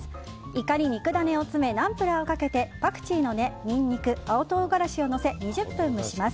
イカに肉ダネを詰めナンプラーをかけてパクチーの根、ニンニク青唐辛子をのせ２０分蒸します。